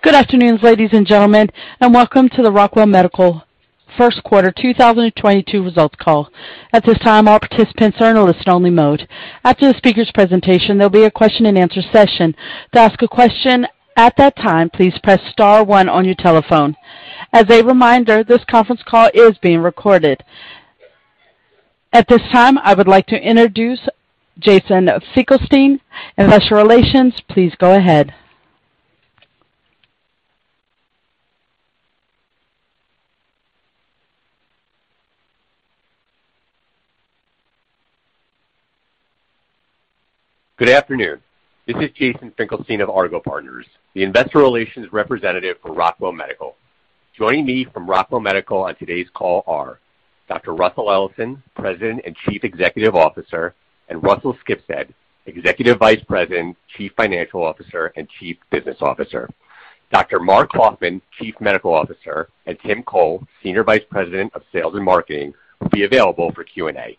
Good afternoon, ladies and gentlemen, and welcome to the Rockwell Medical First Quarter 2022 results call. At this time, all participants are in a listen-only mode. After the speaker's presentation, there'll be a question and answer session. To ask a question at that time, please press star one on your telephone. As a reminder, this conference call is being recorded. At this time, I would like to introduce Jason Finkelstein, Investor Relations. Please go ahead. Good afternoon. This is Jason Finkelstein of Argot Partners, the Investor Relations Representative for Rockwell Medical. Joining me from Rockwell Medical on today's call are Dr. Russell Ellison, President and Chief Executive Officer, and Russell Skibsted, Executive Vice President, Chief Financial Officer, and Chief Business Officer. Dr. Marc Hoffman, Chief Medical Officer, and Tim Chole, Senior Vice President of Sales and Marketing, will be available for Q&A.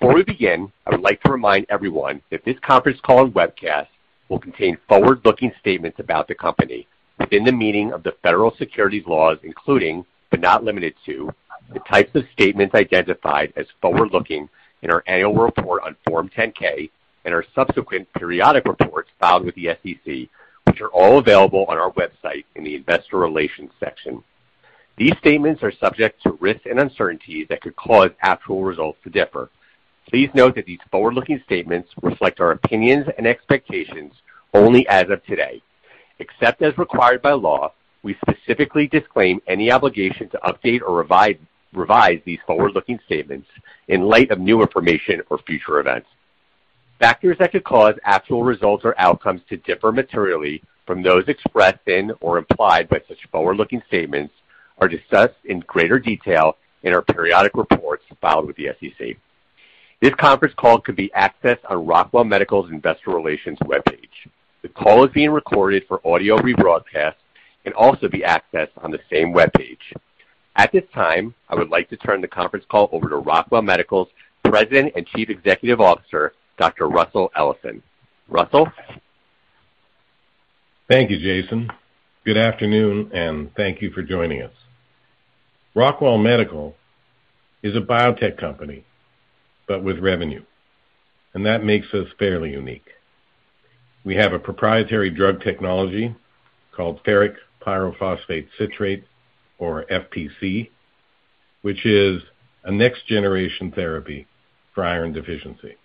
Before we begin, I would like to remind everyone that this conference call and webcast will contain forward-looking statements about the company within the meaning of the federal securities laws, including, but not limited to the types of statements identified as forward-looking in our annual report on Form 10-K and our subsequent periodic reports filed with the SEC, which are all available on our website in the Investor Relations section. These statements are subject to risks and uncertainties that could cause actual results to differ. Please note that these forward-looking statements reflect our opinions and expectations only as of today. Except as required by law, we specifically disclaim any obligation to update or revise these forward-looking statements in light of new information or future events. Factors that could cause actual results or outcomes to differ materially from those expressed in or implied by such forward-looking statements are discussed in greater detail in our periodic reports filed with the SEC. This conference call could be accessed on Rockwell Medical's Investor Relations webpage. The call is being recorded for audio rebroadcast and also be accessed on the same webpage. At this time, I would like to turn the conference call over to Rockwell Medical's President and Chief Executive Officer, Dr. Russell Ellison. Russell. Thank you, Jason. Good afternoon, and thank you for joining us. Rockwell Medical is a biotech company, but with revenue, and that makes us fairly unique. We have a proprietary drug technology called ferric pyrophosphate citrate, or FPC, which is a next generation therapy for iron deficiency.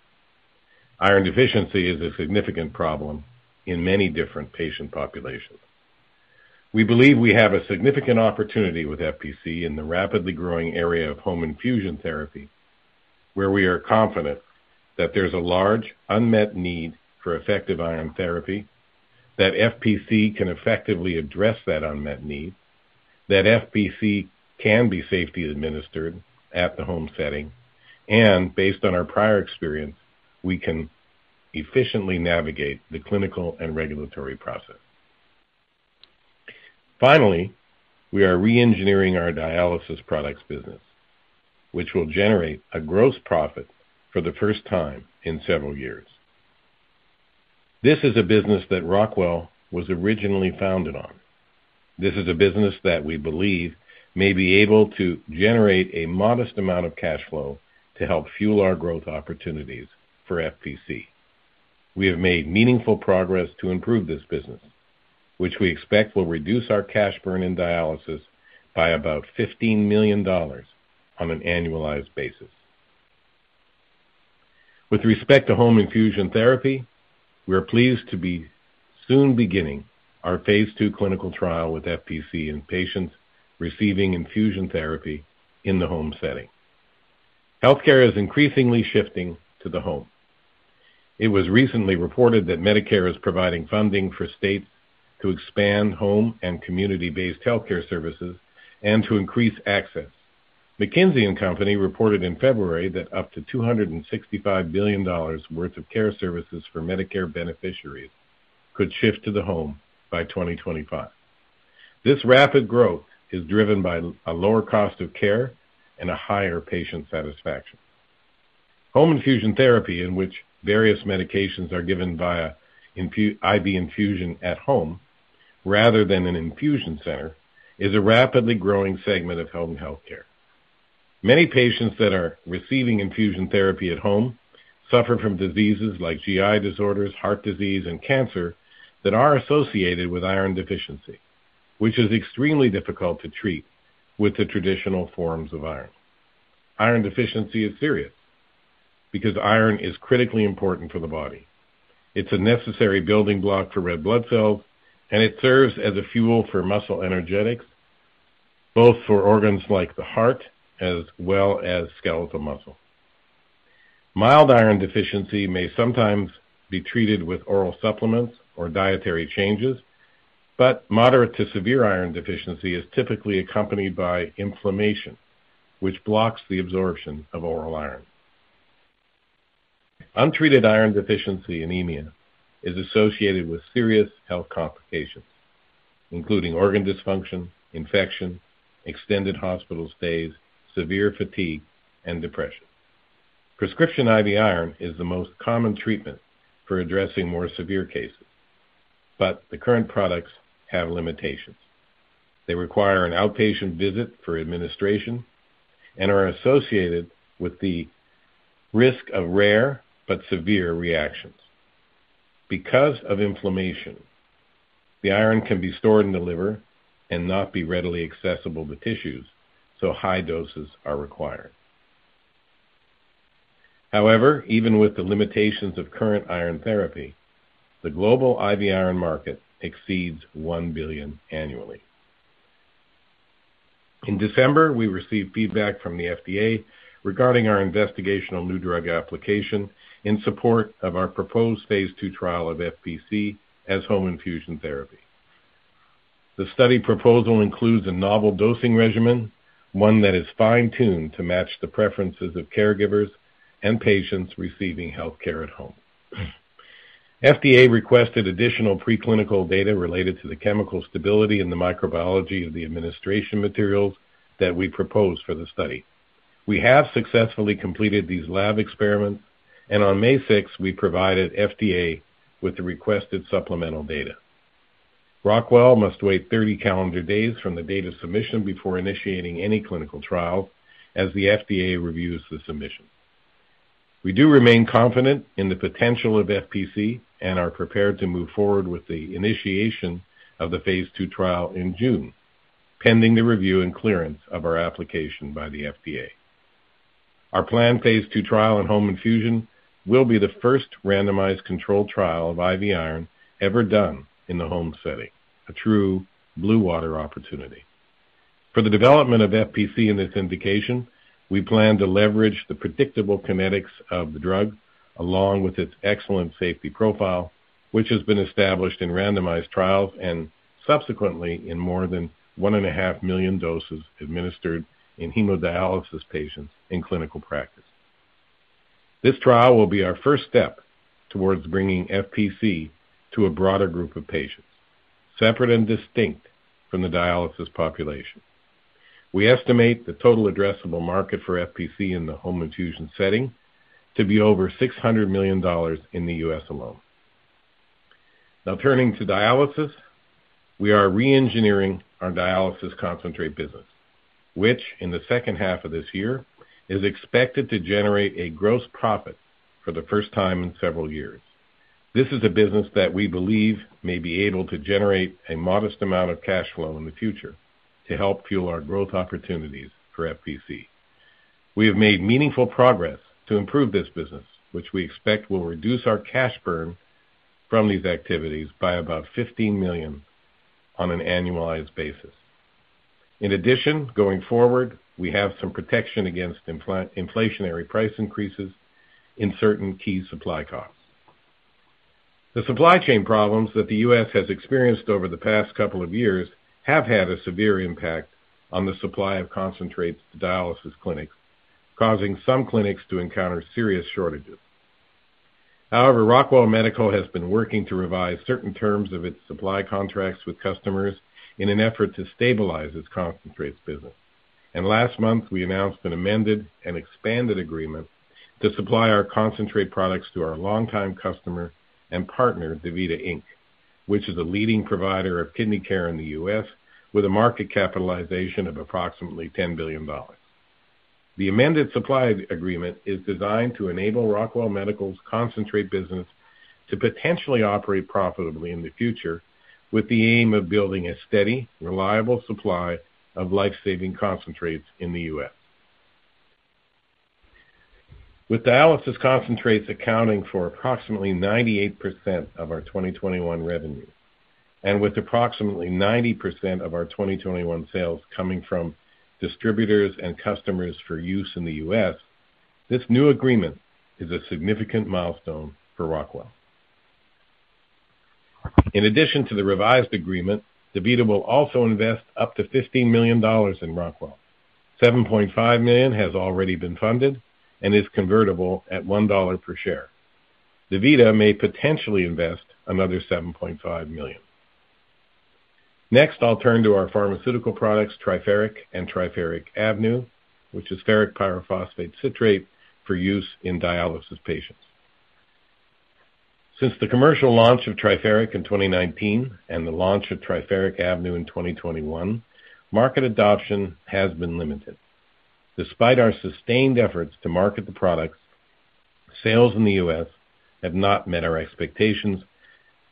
Iron deficiency is a significant problem in many different patient populations. We believe we have a significant opportunity with FPC in the rapidly growing area of home infusion therapy, where we are confident that there's a large unmet need for effective iron therapy, that FPC can effectively address that unmet need, that FPC can be safely administered at the home setting, and based on our prior experience, we can efficiently navigate the clinical and regulatory process. Finally, we are re-engineering our dialysis products business, which will generate a gross profit for the first time in several years. This is a business that Rockwell was originally founded on. This is a business that we believe may be able to generate a modest amount of cash flow to help fuel our growth opportunities for FPC. We have made meaningful progress to improve this business, which we expect will reduce our cash burn in dialysis by about $15 million on an annualized basis. With respect to home infusion therapy, we are pleased to be soon beginning our phase II clinical trial with FPC in patients receiving infusion therapy in the home setting. Healthcare is increasingly shifting to the home. It was recently reported that Medicare is providing funding for states to expand home and community-based healthcare services and to increase access. McKinsey & Company reported in February that up to $265 billion worth of care services for Medicare beneficiaries could shift to the home by 2025. This rapid growth is driven by a lower cost of care and a higher patient satisfaction. Home infusion therapy, in which various medications are given via IV infusion at home rather than an infusion center, is a rapidly growing segment of home healthcare. Many patients that are receiving infusion therapy at home suffer from diseases like GI disorders, heart disease, and cancer that are associated with iron deficiency, which is extremely difficult to treat with the traditional forms of iron. Iron deficiency is serious because iron is critically important for the body. It's a necessary building block for red blood cells, and it serves as a fuel for muscle energetics, both for organs like the heart as well as skeletal muscle. Mild iron deficiency may sometimes be treated with oral supplements or dietary changes, but moderate to severe iron deficiency is typically accompanied by inflammation, which blocks the absorption of oral iron. Untreated iron deficiency anemia is associated with serious health complications, including organ dysfunction, infection, extended hospital stays, severe fatigue, and depression. Prescription IV iron is the most common treatment for addressing more severe cases, but the current products have limitations. They require an outpatient visit for administration and are associated with the risk of rare but severe reactions. Because of inflammation, the iron can be stored in the liver and not be readily accessible to tissues so high doses are required. However, even with the limitations of current iron therapy, the global IV iron market exceeds $1 billion annually. In December, we received feedback from the FDA regarding our investigational new drug application in support of our proposed phase II trial of FPC as home infusion therapy. The study proposal includes a novel dosing regimen, one that is fine-tuned to match the preferences of caregivers and patients receiving healthcare at home. FDA requested additional preclinical data related to the chemical stability and the microbiology of the administration materials that we propose for the study. We have successfully completed these lab experiments, and on May sixth we provided FDA with the requested supplemental data. Rockwell must wait 30 calendar days from the date of submission before initiating any clinical trials as the FDA reviews the submission. We do remain confident in the potential of FPC and are prepared to move forward with the initiation of the phase II trial in June, pending the review and clearance of our application by the FDA. Our planned phase II trial in home infusion will be the first randomized controlled trial of IV iron ever done in the home setting, a true blue ocean opportunity. For the development of FPC in this indication, we plan to leverage the predictable kinetics of the drug along with its excellent safety profile, which has been established in randomized trials and subsequently in more than 1.5 million doses administered in hemodialysis patients in clinical practice. This trial will be our first step towards bringing FPC to a broader group of patients, separate and distinct from the dialysis population. We estimate the total addressable market for FPC in the home infusion setting to be over $600 million in the U.S. alone. Now turning to dialysis. We are re-engineering our dialysis concentrate business, which in the second half of this year is expected to generate a gross profit for the first time in several years. This is a business that we believe may be able to generate a modest amount of cash flow in the future to help fuel our growth opportunities for FPC. We have made meaningful progress to improve this business, which we expect will reduce our cash burn from these activities by about $15 million on an annualized basis. In addition, going forward, we have some protection against inflationary price increases in certain key supply costs. The supply chain problems that the U.S. has experienced over the past couple of years have had a severe impact on the supply of concentrates to dialysis clinics, causing some clinics to encounter serious shortages. However, Rockwell Medical has been working to revise certain terms of its supply contracts with customers in an effort to stabilize its concentrates business. Last month we announced an amended and expanded agreement to supply our concentrate products to our longtime customer and partner, DaVita Inc., which is a leading provider of kidney care in the U.S. with a market capitalization of approximately $10 billion. The amended supply agreement is designed to enable Rockwell Medical's concentrate business to potentially operate profitably in the future with the aim of building a steady, reliable supply of life-saving concentrates in the U.S. With dialysis concentrates accounting for approximately 98% of our 2021 revenue, and with approximately 90% of our 2021 sales coming from distributors and customers for use in the US, this new agreement is a significant milestone for Rockwell. In addition to the revised agreement, DaVita will also invest up to $15 million in Rockwell. $7.5 million has already been funded and is convertible at $1 per share. DaVita may potentially invest another $7.5 million. Next, I'll turn to our pharmaceutical products, Triferic and Triferic AVNU, which is ferric pyrophosphate citrate for use in dialysis patients. Since the commercial launch of Triferic in 2019 and the launch of Triferic AVNU in 2021, market adoption has been limited. Despite our sustained efforts to market the products, sales in the U.S. have not met our expectations,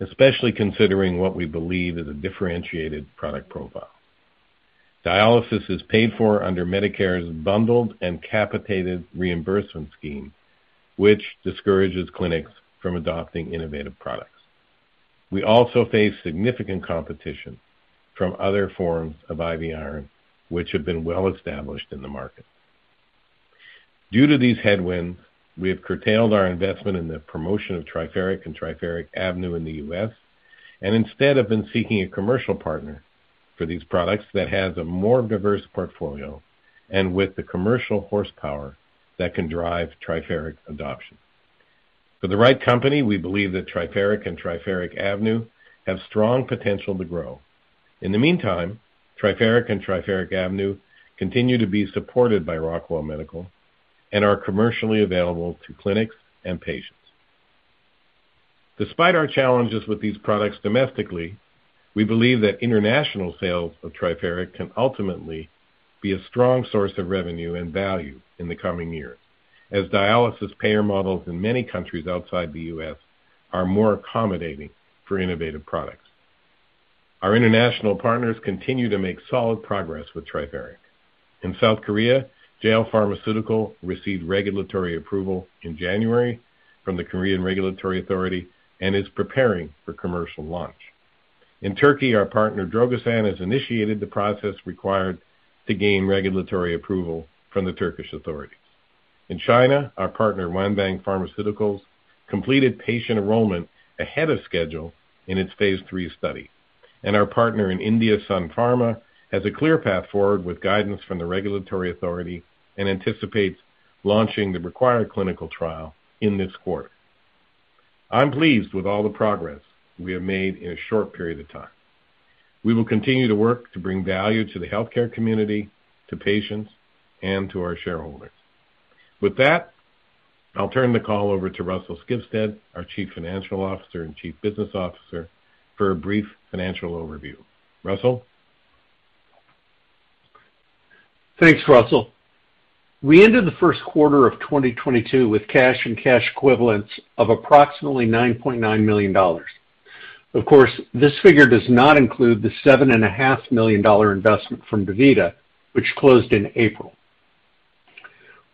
especially considering what we believe is a differentiated product profile. Dialysis is paid for under Medicare's bundled and capitated reimbursement scheme, which discourages clinics from adopting innovative products. We also face significant competition from other forms of IV iron, which have been well established in the market. Due to these headwinds, we have curtailed our investment in the promotion of Triferic and Triferic AVNU in the U.S. and instead have been seeking a commercial partner for these products that has a more diverse portfolio and with the commercial horsepower that can drive Triferic adoption. For the right company, we believe that Triferic and Triferic AVNU have strong potential to grow. In the meantime, Triferic and Triferic AVNU continue to be supported by Rockwell Medical and are commercially available to clinics and patients. Despite our challenges with these products domestically, we believe that international sales of Triferic can ultimately be a strong source of revenue and value in the coming years as dialysis payer models in many countries outside the U.S. are more accommodating for innovative products. Our international partners continue to make solid progress with Triferic. In South Korea, JW Pharmaceutical received regulatory approval in January from the Korean Regulatory Authority and is preparing for commercial launch. In Turkey, our partner, Drogsan, has initiated the process required to gain regulatory approval from the Turkish authorities. In China, our partner, Wanbang Biopharmaceuticals, completed patient enrollment ahead of schedule in its phase III study. Our partner in India, Sun Pharma, has a clear path forward with guidance from the regulatory authority and anticipates launching the required clinical trial in this quarter. I'm pleased with all the progress we have made in a short period of time. We will continue to work to bring value to the healthcare community, to patients, and to our shareholders. With that, I'll turn the call over to Russell Skibsted, our Chief Financial Officer and Chief Business Officer, for a brief financial overview. Russell? Thanks, Russell. We ended the first quarter of 2022 with cash and cash equivalents of approximately $9.9 million. Of course, this figure does not include the seven and a half million dollar investment from DaVita, which closed in April.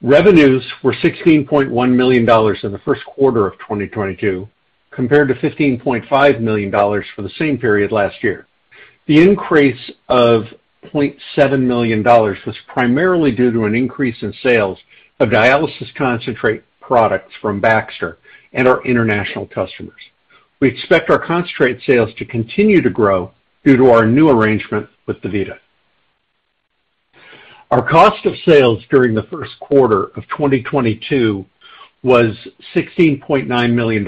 Revenues were $16.1 million in the first quarter of 2022 compared to $15.5 million for the same period last year. The increase of $0.7 million was primarily due to an increase in sales of dialysis concentrate products from Baxter and our international customers. We expect our concentrate sales to continue to grow due to our new arrangement with DaVita. Our cost of sales during the first quarter of 2022 was $16.9 million,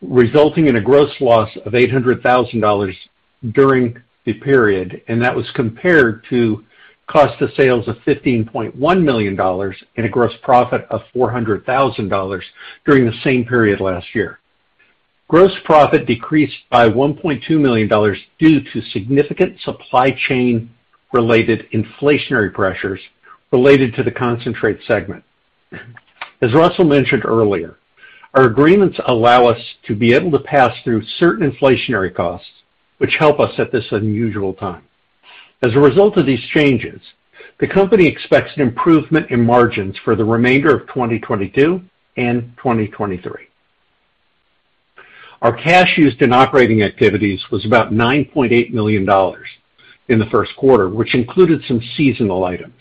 resulting in a gross loss of $800,000 during the period, and that was compared to cost of sales of $15.1 million and a gross profit of $400,000 during the same period last year. Gross profit decreased by $1.2 million due to significant supply chain-related inflationary pressures related to the concentrate segment. As Russell mentioned earlier, our agreements allow us to be able to pass through certain inflationary costs, which help us at this unusual time. As a result of these changes, the company expects an improvement in margins for the remainder of 2022 and 2023. Our cash used in operating activities was about $9.8 million in the first quarter, which included some seasonal items.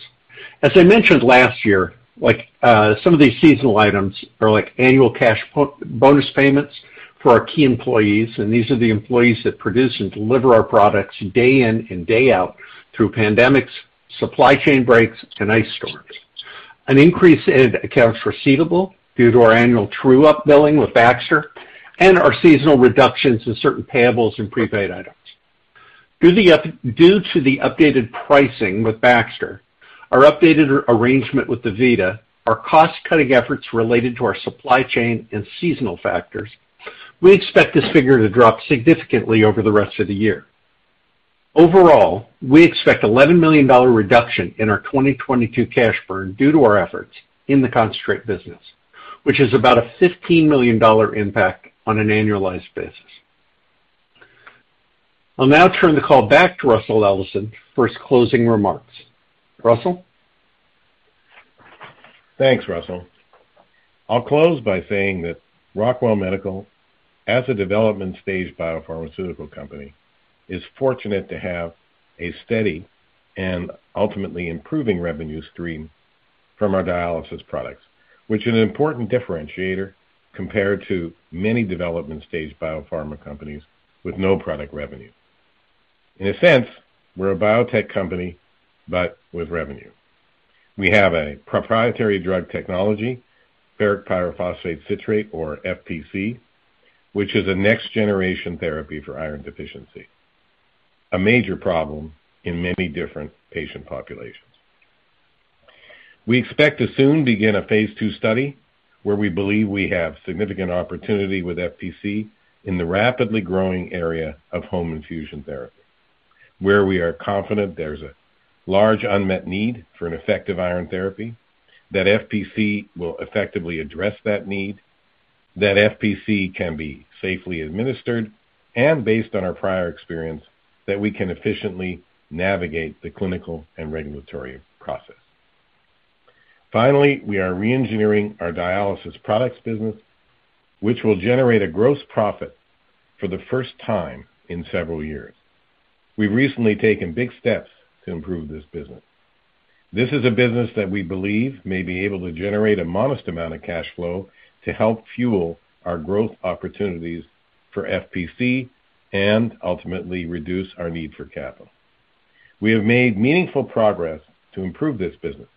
As I mentioned last year, like, some of these seasonal items are like annual cash bonus payments for our key employees, and these are the employees that produce and deliver our products day in and day out through pandemics, supply chain breaks, and ice storms. An increase in accounts receivable due to our annual true-up billing with Baxter and our seasonal reductions in certain payables and prepaid items. Due to the updated pricing with Baxter, our updated arrangement with DaVita, our cost-cutting efforts related to our supply chain and seasonal factors, we expect this figure to drop significantly over the rest of the year. Overall, we expect $11 million reduction in our 2022 cash burn due to our efforts in the concentrate business, which is about a $15 million impact on an annualized basis. I'll now turn the call back to Russell Ellison for his closing remarks. Russell? Thanks, Russell. I'll close by saying that Rockwell Medical, as a development stage biopharmaceutical company, is fortunate to have a steady and ultimately improving revenue stream from our dialysis products, which is an important differentiator compared to many development stage biopharma companies with no product revenue. In a sense, we're a biotech company, but with revenue. We have a proprietary drug technology, ferric pyrophosphate citrate, or FPC, which is a next generation therapy for iron deficiency, a major problem in many different patient populations. We expect to soon begin a phase II study where we believe we have significant opportunity with FPC in the rapidly growing area of home infusion therapy, where we are confident there's a large unmet need for an effective iron therapy, that FPC will effectively address that need, that FPC can be safely administered, and based on our prior experience, that we can efficiently navigate the clinical and regulatory process. Finally, we are re-engineering our dialysis products business, which will generate a gross profit for the first time in several years. We've recently taken big steps to improve this business. This is a business that we believe may be able to generate a modest amount of cash flow to help fuel our growth opportunities for FPC and ultimately reduce our need for capital. We have made meaningful progress to improve this business,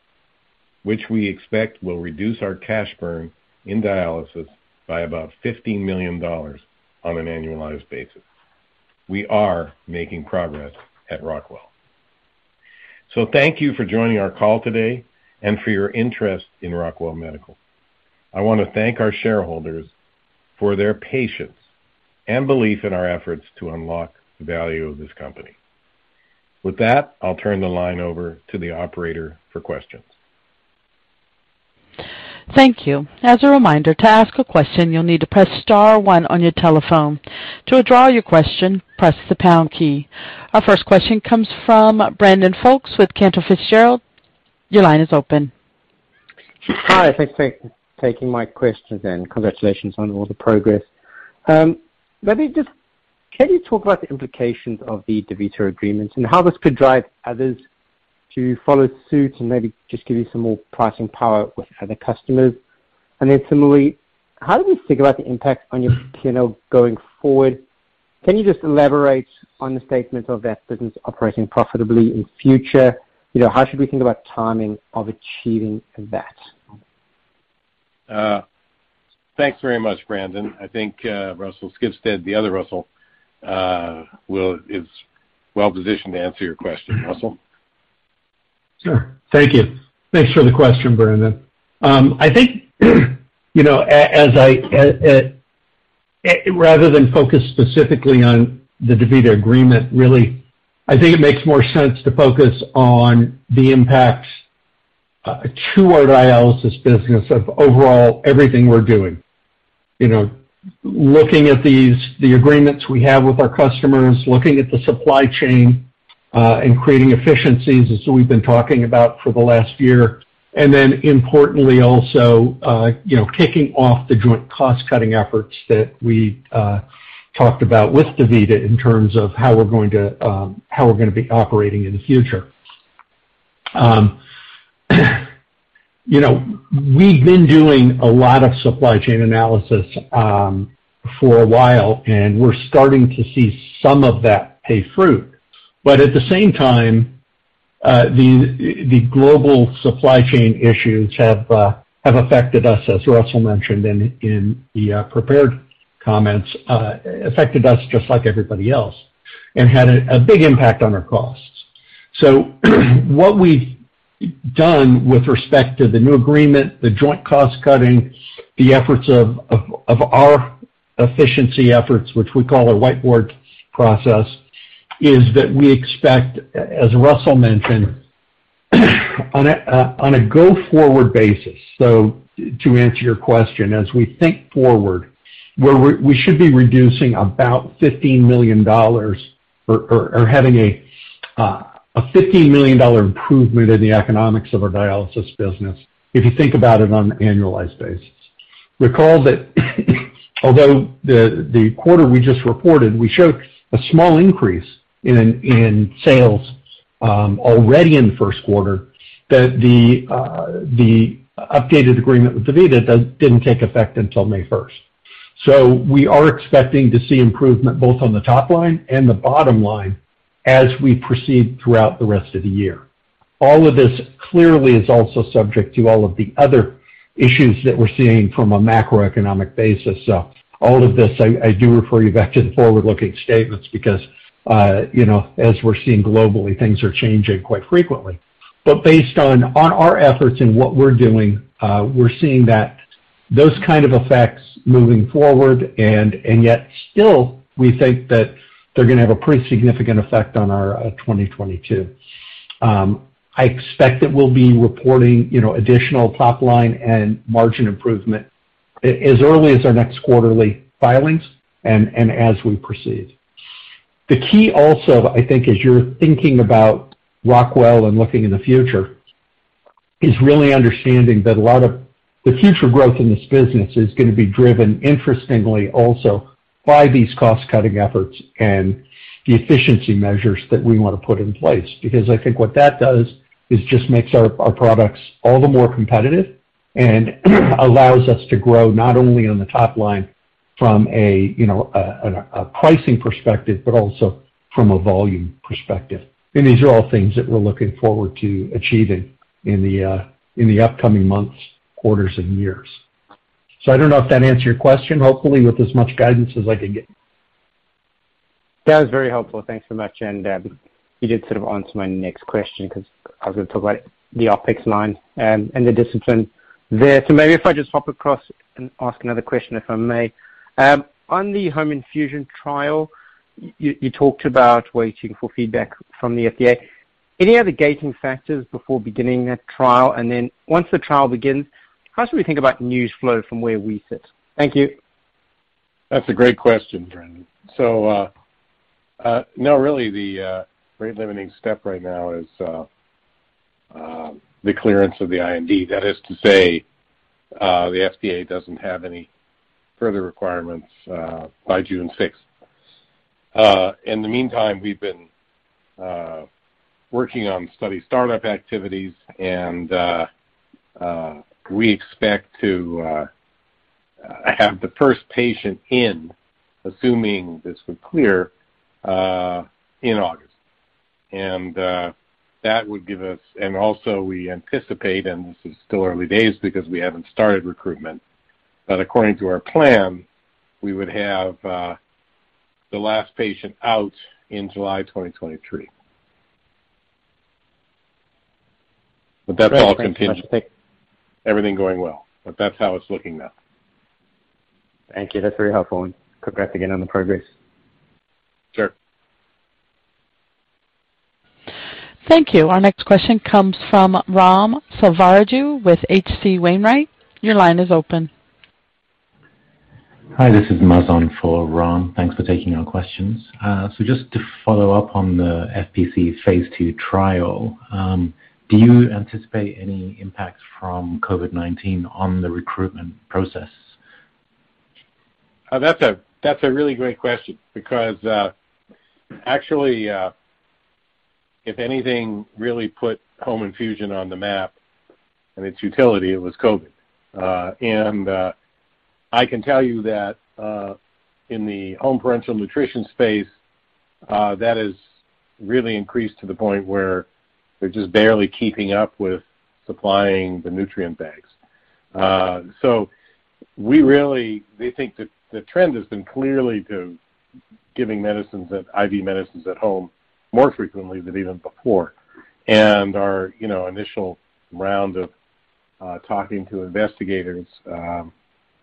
which we expect will reduce our cash burn in dialysis by about $15 million on an annualized basis. We are making progress at Rockwell. Thank you for joining our call today and for your interest in Rockwell Medical. I want to thank our shareholders for their patience and belief in our efforts to unlock the value of this company. With that, I'll turn the line over to the operator for questions. Thank you. As a reminder, to ask a question, you'll need to press star one on your telephone. To withdraw your question, press the pound key. Our first question comes from Brandon Folkes with Cantor Fitzgerald. Your line is open. Hi. Thanks for taking my questions and congratulations on all the progress. Can you talk about the implications of the DaVita agreement and how this could drive others to follow suit and maybe just give you some more pricing power with other customers? Similarly, how do you think about the impact on your P&L going forward? Can you just elaborate on the statement of that business operating profitably in future? You know, how should we think about timing of achieving that? Thanks very much, Brandon. I think, Russell Skibsted, the other Russell, is well-positioned to answer your question. Russell? Sure. Thank you. Thanks for the question, Brandon. I think, you know, as I rather than focus specifically on the DaVita agreement, really, I think it makes more sense to focus on the impacts to our dialysis business of overall everything we're doing. You know, looking at these, the agreements we have with our customers, looking at the supply chain and creating efficiencies as we've been talking about for the last year. Importantly also, you know, kicking off the joint cost-cutting efforts that we talked about with DaVita in terms of how we're going to, how we're gonna be operating in the future. You know, we've been doing a lot of supply chain analysis for a while, and we're starting to see some of that bear fruit. At the same time, the global supply chain issues have affected us, as Russell mentioned in the prepared comments, affected us just like everybody else and had a big impact on our costs. What we've done with respect to the new agreement, the joint cost cutting, the efforts of our efficiency efforts, which we call a whiteboard process, is that we expect, as Russell mentioned, on a go-forward basis. To answer your question, as we think forward, where we should be reducing about $15 million or having a $15 million improvement in the economics of our dialysis business, if you think about it on an annualized basis. Recall that although the quarter we just reported, we showed a small increase in sales already in the first quarter, that the updated agreement with DaVita didn't take effect until May first. We are expecting to see improvement both on the top line and the bottom line as we proceed throughout the rest of the year. All of this clearly is also subject to all of the other issues that we're seeing from a macroeconomic basis. All of this, I do refer you back to the forward-looking statements because, you know, as we're seeing globally, things are changing quite frequently. Based on our efforts and what we're doing, we're seeing that those kind of effects moving forward, and yet still we think that they're gonna have a pretty significant effect on our 2022. I expect that we'll be reporting, you know, additional top line and margin improvement as early as our next quarterly filings and as we proceed. The key also, I think as you're thinking about Rockwell and looking in the future, is really understanding that a lot of the future growth in this business is gonna be driven, interestingly also, by these cost-cutting efforts and the efficiency measures that we wanna put in place. Because I think what that does is just makes our products all the more competitive and allows us to grow not only on the top line from a, you know, a pricing perspective, but also from a volume perspective. These are all things that we're looking forward to achieving in the upcoming months, quarters and years. I don't know if that answered your question, hopefully with as much guidance as I could give. That was very helpful. Thanks so much. You did sort of answer my next question 'cause I was gonna talk about the OpEx line, and the discipline there. Maybe if I just hop across and ask another question, if I may. On the home infusion trial, you talked about waiting for feedback from the FDA. Any other gating factors before beginning that trial? Then once the trial begins, how should we think about news flow from where we sit? Thank you. That's a great question, Brandon. No, really the rate limiting step right now is the clearance of the IND. That is to say, the FDA doesn't have any further requirements by June 6th. In the meantime, we've been working on study startup activities and we expect to have the first patient in assuming this would clear in August. That would give us. Also we anticipate, and this is still early days because we haven't started recruitment, but according to our plan, we would have the last patient out in July 2023. That's all contingent. Great. Thank you. Everything going well, but that's how it's looking now. Thank you. That's very helpful. Congrats again on the progress. Sure. Thank you. Our next question comes from Ram Selvaraju with H.C. Wainwright. Your line is open. Hi, this is Mazen for Ram. Thanks for taking our questions. Just to follow up on the FPC phase II trial, do you anticipate any impact from COVID-19 on the recruitment process? That's a really great question because, actually, if anything really put home infusion on the map and its utility, it was COVID. I can tell you that, in the home parenteral nutrition space, that has really increased to the point where they're just barely keeping up with supplying the nutrient bags. We think that the trend has been clearly to giving medicines at, IV medicines at home more frequently than even before. Our, you know, initial round of talking to investigators,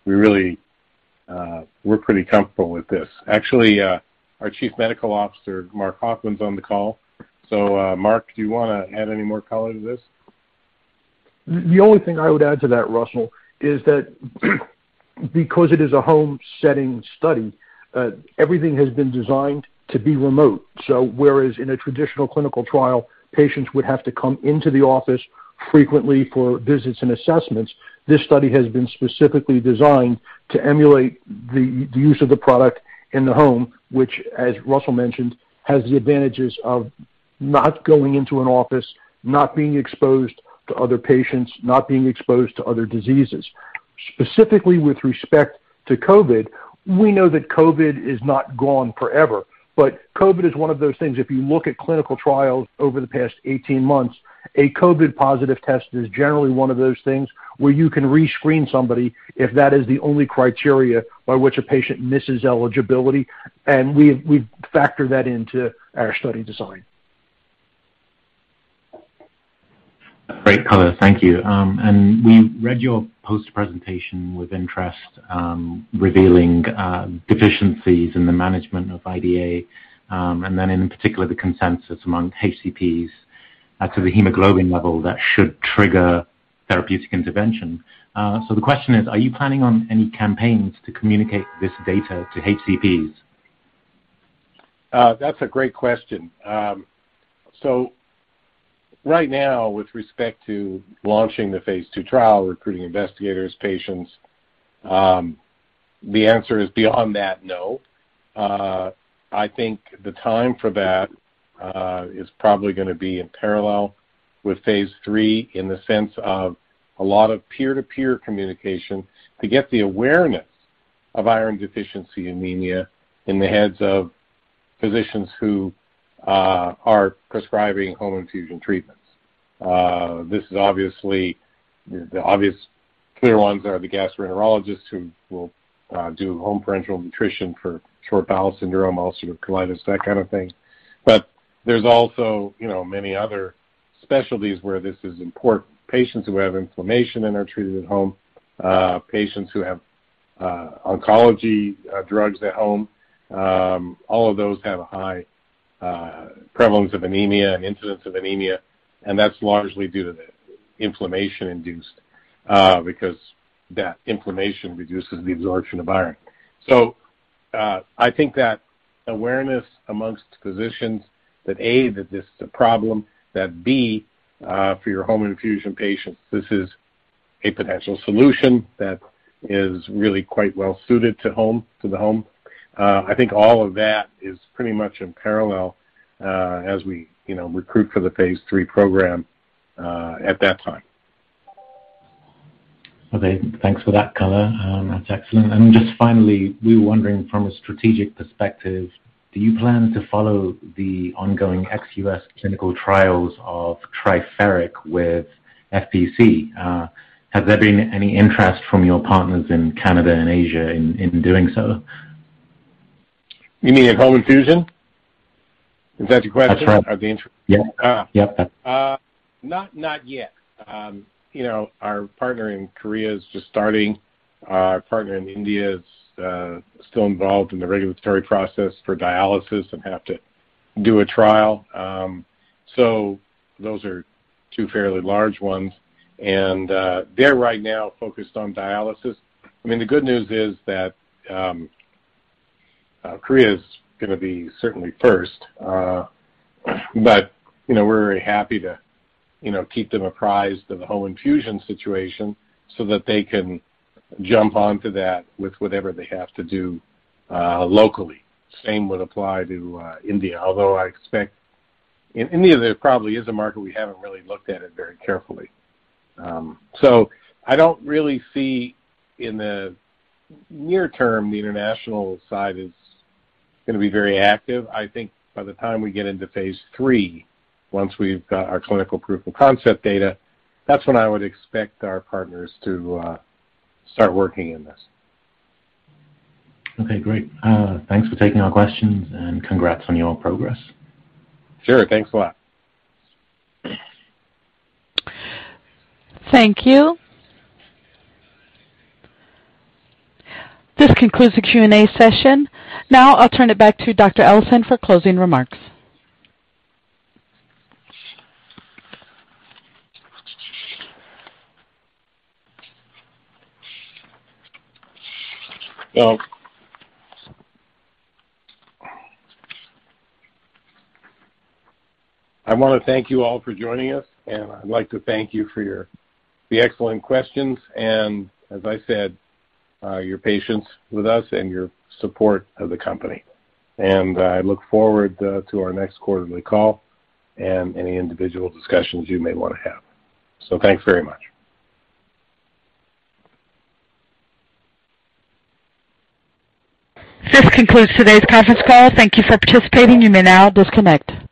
we're pretty comfortable with this. Actually, our Chief Medical Officer, Marc Hoffman, is on the call. Mark, do you wanna add any more color to this? The only thing I would add to that, Russell, is that because it is a home setting study, everything has been designed to be remote. Whereas in a traditional clinical trial, patients would have to come into the office frequently for visits and assessments this study has been specifically designed to emulate the use of the product in the home, which, as Russell mentioned, has the advantages of not going into an office, not being exposed to other patients, not being exposed to other diseases. Specifically with respect to COVID, we know that COVID is not gone forever but COVID is one of those things, if you look at clinical trials over the past 18 months, a COVID positive test is generally one of those things where you can rescreen somebody if that is the only criteria by which a patient misses eligibility. We factor that into our study design. Great color. Thank you. We read your post presentation with interest, revealing deficiencies in the management of IDA, and then in particular, the consensus among HCPs as to the hemoglobin level that should trigger therapeutic intervention. The question is, are you planning on any campaigns to communicate this data to HCPs? That's a great question. So right now, with respect to launching the phase II trial, recruiting investigators, patients, the answer is beyond that, no. I think the time for that is probably gonna be in parallel with phase III in the sense of a lot of peer-to-peer communication to get the awareness of iron deficiency anemia in the heads of physicians who are prescribing home infusion treatments. This is obviously the obvious clear ones are the gastroenterologists who will do home parenteral nutrition for short bowel syndrome, ulcerative colitis, that kind of thing. There's also, you know, many other specialties where this is important. Patients who have inflammation and are treated at home, patients who have oncology drugs at home, all of those have a high prevalence of anemia and incidence of anemia, and that's largely due to the inflammation induced because that inflammation reduces the absorption of iron. I think that awareness among physicians that A, that this is a problem, that B, for your home infusion patients, this is a potential solution that is really quite well suited to the home. I think all of that is pretty much in parallel as we, you know, recruit for the phase III program at that time. Okay, thanks for that color. That's excellent. Just finally, we were wondering from a strategic perspective, do you plan to follow the ongoing ex U.S. clinical trials of Triferic with FPC? Has there been any interest from your partners in Canada and Asia in doing so? You mean at home infusion? Is that your question? That's right. Are they inter. Yeah. Uh. Yeah. Not yet. You know, our partner in Korea is just starting. Our partner in India is still involved in the regulatory process for dialysis and have to do a trial. Those are two fairly large ones. They're right now focused on dialysis. I mean, the good news is that Korea is gonna be certainly first. You know, we're very happy to keep them apprised of the home infusion situation so that they can jump onto that with whatever they have to do locally. Same would apply to India. Although I expect in India, there probably is a market, we haven't really looked at it very carefully. I don't really see in the near term, the international side is gonna be very active. I think by the time we get into phase III, once we've got our clinical proof of concept data, that's when I would expect our partners to start working in this. Okay, great. Thanks for taking our questions, and congrats on your progress. Sure. Thanks a lot. Thank you. This concludes the Q&A session. Now I'll turn it back to Dr. Ellison for closing remarks. Well, I wanna thank you all for joining us, and I'd like to thank you for your excellent questions and, as I said, your patience with us and your support of the company. I look forward to our next quarterly call and any individual discussions you may wanna have. Thanks very much. This concludes today's conference call. Thank you for participating. You may now disconnect.